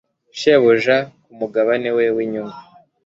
Shebuja ku mugabane we winyungu